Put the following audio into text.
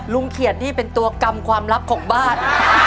เขียนนี่เป็นตัวกรรมความลับของบ้าน